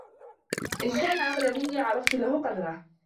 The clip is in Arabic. إنْ كَانَ أَعْلَى مِنِّي عَرَفْت لَهُ قَدْرَهُ